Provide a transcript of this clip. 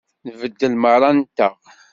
Nbeddel merra-nteɣ.